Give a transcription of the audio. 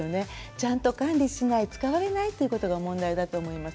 ちゃんと管理しない使われないということが問題だと思います。